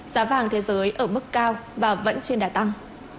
giá vàng thế giới ở mức cao và vẫn trên đà tăng